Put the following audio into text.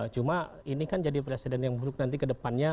cuma ini kan jadi presiden yang buruk nanti ke depannya